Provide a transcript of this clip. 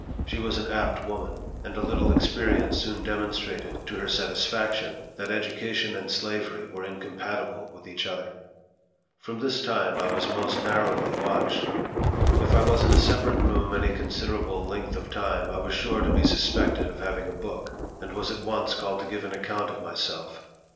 She was an apt woman ; and a little experience soon demonstrated, to her satisfaction, that education and slavery were in compatible with each other. 38 NARRATIVE OF THE From this time I was most narrowly watched. If 1 was in a separate room any considerable length of time, I was sure to be suspected of having a book, and was at once called to give an account of myself.